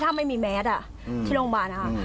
ถ้าไม่มีแมสที่โรงพยาบาลนะคะ